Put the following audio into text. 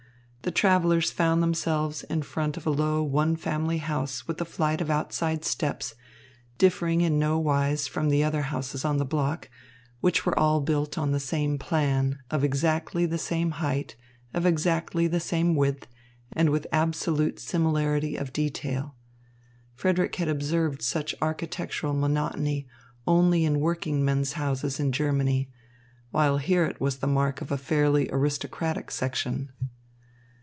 The travellers found themselves in front of a low one family house with a flight of outside steps, differing in no wise from the other houses on the block, which were all built on the same plan, of exactly the same height, of exactly the same width, and with absolute similarity of detail. Frederick had observed such architectural monotony only in workingmen's houses in Germany, while here it was the mark of a fairly aristocratic section.